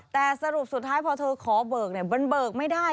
แต่สรุปสุดท้ายพอเธอขอเบิกเนี่ยมันเบิกไม่ได้